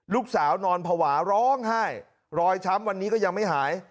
นอนภาวะร้องไห้รอยช้ำวันนี้ก็ยังไม่หาย